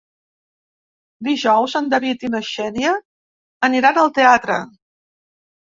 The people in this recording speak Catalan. Dijous en David i na Xènia aniran al teatre.